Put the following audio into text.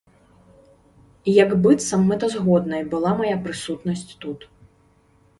Як быццам мэтазгоднай была мая прысутнасць тут!